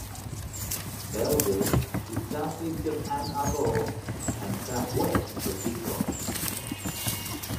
Belleville is southeast of Ann Arbor and southwest of Detroit.